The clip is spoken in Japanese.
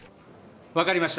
わかりました。